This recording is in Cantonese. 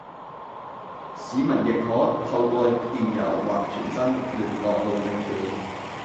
市民亦可透過電郵或傳真聯絡路政署